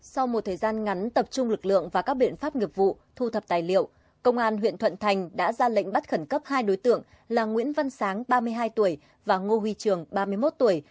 sau một thời gian ngắn tập trung lực lượng và các biện pháp nghiệp vụ thu thập tài liệu công an huyện thuận thành đã ra lệnh bắt khẩn cấp hai đối tượng là nguyễn văn sáng ba mươi hai tuổi và ngô huy trường ba mươi một tuổi